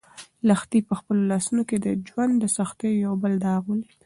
لښتې په خپلو لاسو کې د ژوند د سختیو یو بل داغ ولید.